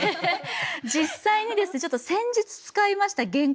実際にですね先日使いました原稿。